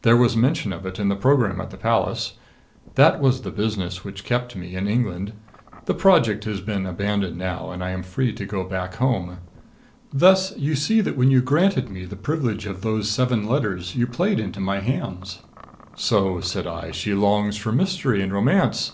There was mention of it in the program at the Palace. That was the business which kept me in England. The project has been abandoned now and I am free to go back home. Thus you see that when you granted me the privilege of those seven letters you played into my hands. So, said I, she longs for mystery and romance.